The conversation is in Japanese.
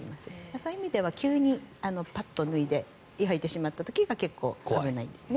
そういう意味では急にパッと脱いで焼いてしまった時が結構、危ないですね。